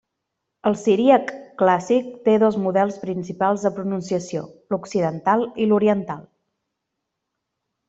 El siríac clàssic té dos modes principals de pronunciació: l'occidental i l'oriental.